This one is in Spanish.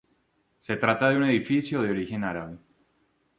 Se trata de un edificio de origen árabe.